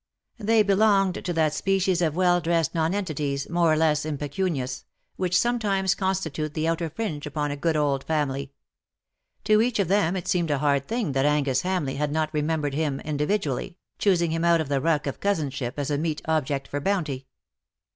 They belonged to that species of well dressed nonentities, more or less impecunious, which sometimes consti tute the outer fringe upon a good old family. To each of them it seemed a hard thing that Angus Hamleigh had not remembered him individually, choosing him out of the ruck of cousinship as a meet object for bounty.